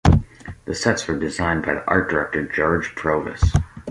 The sets were designed by the art director George Provis.